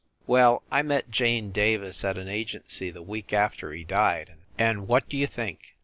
Well, I met Jane Davis at an agency the week after he died, and what d you think